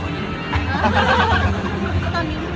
ดูแลดี